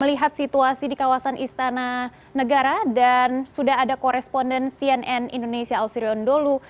melihat situasi di kawasan istana negara dan sudah ada koresponden cnn indonesia ausirion dholu